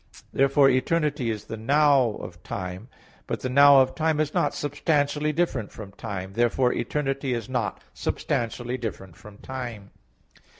Therefore eternity is the "now" of time. But the "now" of time is not substantially different from time. Therefore eternity is not substantially different from time.